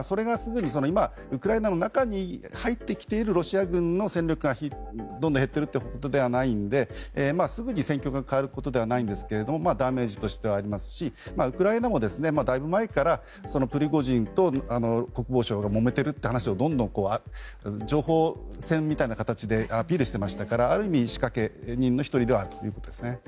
ただ、ウクライナの中に入ってきているロシア軍の戦力がどんどん減っていることではないのですぐに戦況が変わることではないんですがダメージとしてはありますしウクライナもだいぶ前から、プリゴジンと国防省がもめているという話をどんどん情報戦みたいな形でアピールしていましたからある意味、仕掛け人の１人ではあるということですね。